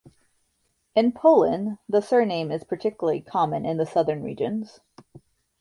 In Poland, the surname is particularly common in southern regions.